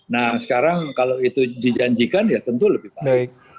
nah sekarang kalau itu dijanjikan ya tentu lebih baik